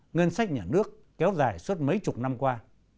ngân sách nhà nước kéo dài suốt mấy chục năm qua